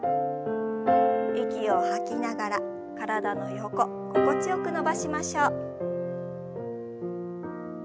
息を吐きながら体の横心地よく伸ばしましょう。